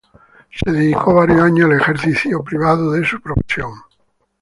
Se dedicó varios años al ejercicio privado de su profesión.